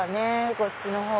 こっちのほう。